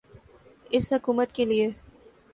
اس حکومت کیلئے۔